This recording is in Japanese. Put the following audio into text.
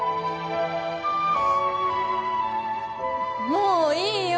もういいよ。